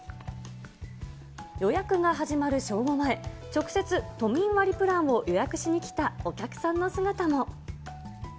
予約が始まる正午前、直接、都民割プランを予約しに来たお客さんの姿も。